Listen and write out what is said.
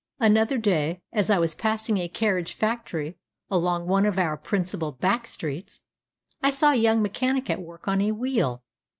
Another day, as I was passing a carriage factory along one of our principal back streets, I saw a young mechanic at work on a wheel.